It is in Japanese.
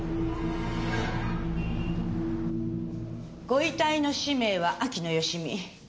ご遺体の氏名は秋野芳美。